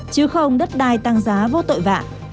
chứ không đất đai tăng giá vô tội vạ